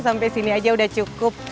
sampai sini aja udah cukup